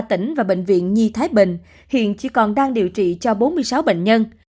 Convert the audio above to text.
tỉnh và bệnh viện nhi thái bình hiện chỉ còn đang điều trị cho bốn mươi sáu bệnh nhân